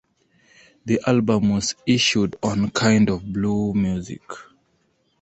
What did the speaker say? The album was issued on Kind of Blue Music.